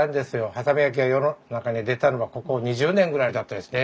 波佐見焼が世の中に出たのはここ２０年ぐらいだったですね。